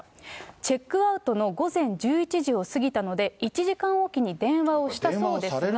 チェックアウトの午前１１時を過ぎたので、１時間おきに電話をし電話をされるんですね。